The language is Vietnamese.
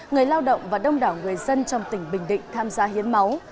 người lao động và đông đảo người dân trong tỉnh bình định tham gia hiến máu